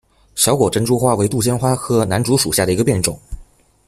小果珍珠花为杜鹃花科南烛属下的一个变种。